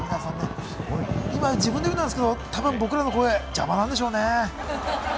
今、自分で言うのもなんですけれども、僕らの声、邪魔なんでしょうね。